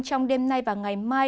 trong đêm nay và ngày mai